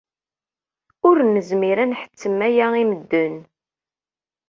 Ur nezmir ad nḥettem aya i medden.